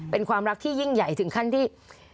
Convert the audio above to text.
เป็นความรักที่ยิ่งใหญ่ถึงขั้นที่